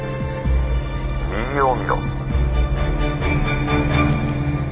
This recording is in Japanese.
「右を見ろ」。